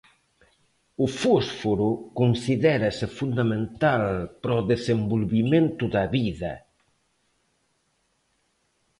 O fósforo considérase fundamental para o desenvolvemento da vida.